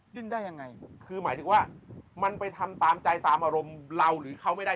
ดิ้นได้ยังไงคือหมายถึงว่ามันไปทำตามใจตามอารมณ์เราหรือเขาไม่ได้